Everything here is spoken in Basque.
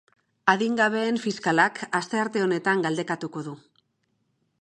Adingabeen fiskalak astearte honetan galdekatuko du.